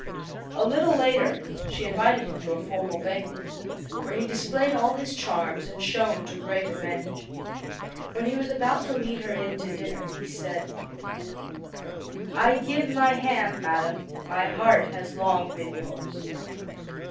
A little later she invited him to a formal banquet, where he displayed all his charms and shone to great advantage. When he was about to lead her in to dinner, he said: "I give my hand, madam; my heart has long been yours."